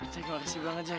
jack makasih banget jack